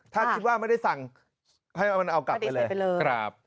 ถ้าคิดว่าไม่ได้สั่งให้เอามันเอากลับไปเลย